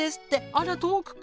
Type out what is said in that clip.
あら遠くから。